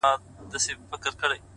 د هيندارو يوه لاره کي يې پرېښوم”